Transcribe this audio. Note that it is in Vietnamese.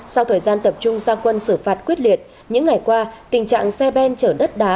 sau thời gian tập trung gia quân xử phạt quyết liệt những ngày qua tình trạng xe ben chở đất đá